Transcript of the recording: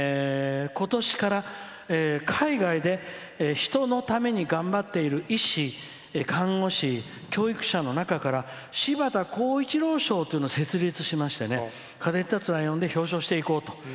ことしから海外で人のために頑張っている医師看護師、教育者の中から柴田紘一郎賞というのを設立しまして「風に立つライオン」で表彰していこうと。